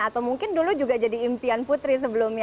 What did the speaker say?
atau mungkin dulu juga jadi impian putri sebelumnya